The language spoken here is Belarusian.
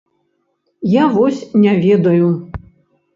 Я вось не ведаю.